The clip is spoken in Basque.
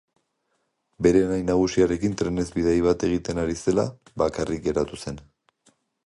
Bere anai nagusiarekin trenez bidai bat egiten ari zela, bakarrik geratu zen.